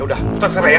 ya udah ustadz serai ya